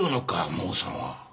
モーさんは。